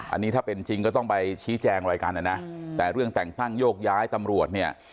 อันนี้ถ้าเป็นจริงก็ต้องไปชี้แจงอะไรกันนะนะแต่เรื่องแต่งตั้งโยกย้ายตำรวจเนี่ย